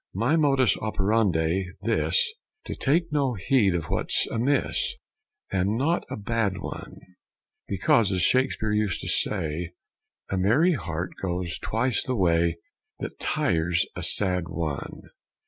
My modus operandi this To take no heed of what's amiss; And not a bad one; Because, as Shakespeare used to say, A merry heart goes twice the way That tires a sad one.